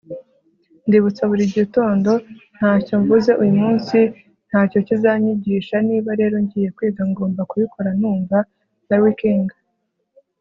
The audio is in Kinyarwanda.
ndibutsa buri gitondo: ntacyo mvuze uyu munsi ntacyo kizanyigisha. niba rero ngiye kwiga, ngomba kubikora numva. - larry king